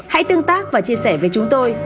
hãy tương tác và chia sẻ với chúng tôi